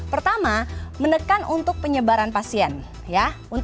pertama menekan untuk penyebaran pasien